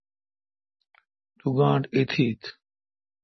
تو گاݨڈ ایتھت۔